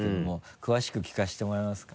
詳しく聞かせてもらえますか？